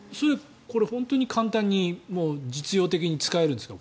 これ本当に簡単に実用的に使えるんですか？